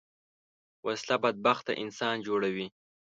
وسله بدبخته انسان جوړوي